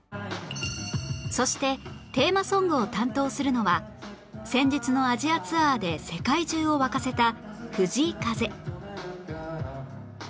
そしてテーマソングを担当するのは先日のアジアツアーで世界中を沸かせた藤井風